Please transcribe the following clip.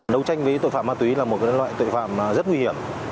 đấu tranh với tội phạm ma túy là một loại tội phạm rất nguy hiểm